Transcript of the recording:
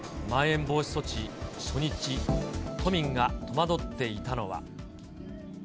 まん延防止措置初日、都民が戸惑っていたのは。